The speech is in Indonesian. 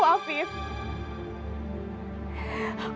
tapi aku ada